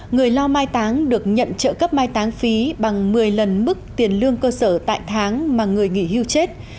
người lo mai táng được nhận trợ cấp mai táng phí bằng một mươi lần mức tiền lương cơ sở tại tháng mà người nghỉ hưu chết